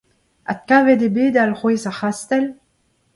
Adkavet eo bet alc'hwez ar c'hastell ?